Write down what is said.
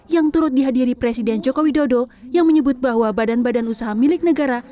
yang turut dihadiri presiden joko widodo yang menyebut bahwa badan badan usaha milik negara